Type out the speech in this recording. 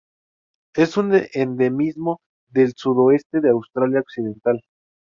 Es un endemismo del sudoeste de Australia Occidental.